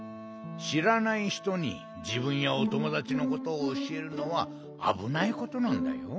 しらないひとにじぶんやおともだちのことをおしえるのはあぶないことなんだよ。